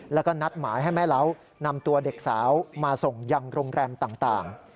แล้วก็นัดหมายให้แม่เล้านำตัวเด็กสาวมาส่งยังโรงแรมต่าง